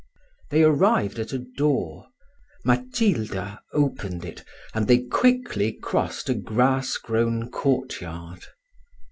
They arrived at a door: Matilda opened it, and they quickly crossed a grass grown court yard.